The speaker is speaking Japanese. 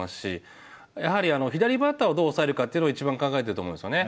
やはり左バッターをどう抑えるかっていうのを一番考えてると思うんですよね。